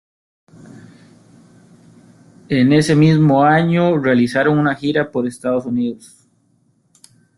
En ese mismo año realizaron una gira por Estados Unidos.